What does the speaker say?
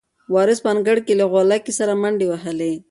وارث په انګړ کې له غولکې سره منډې وهلې.